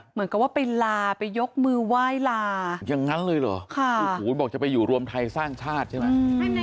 เหมือนกับว่าไปลาไปยกมือไหว้ลาอย่างนั้นเลยเหรอโอ้โหบอกจะไปอยู่รวมไทยสร้างชาติใช่ไหม